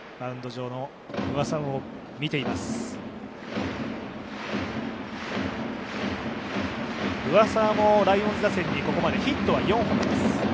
上沢もライオンズ打線に、ここまでヒットは４本です。